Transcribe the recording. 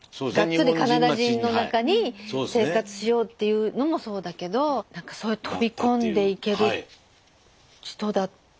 ガッツリカナダ人の中に生活しようっていうのもそうだけど何かそういう飛び込んでいける人だった。